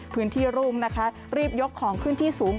พื้นที่รุ่งรีบยกของพื้นที่สูง